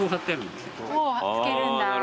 つけるんだ。